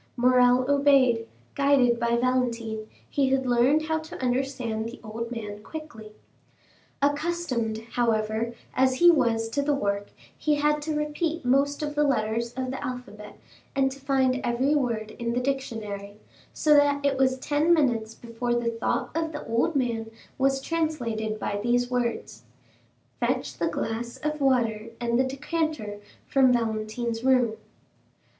Morrel obeyed; guided by Valentine, he had learned how to understand the old man quickly. Accustomed, however, as he was to the work, he had to repeat most of the letters of the alphabet and to find every word in the dictionary, so that it was ten minutes before the thought of the old man was translated by these words, "Fetch the glass of water and the decanter from Valentine's room."